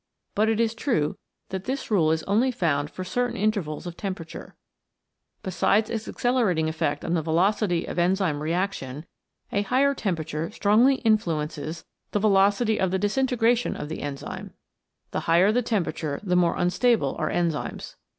But it is true that this rule is only found for certain intervals of temperature. Besides its accelerating effect on the velocity of the enzyme reaction, a higher temperature strongly influences the velocity of the 103 CHEMICAL PHENOMENA IN LIFE disintegration of the enzyme. The higher the temperature the more unstable are enzymes.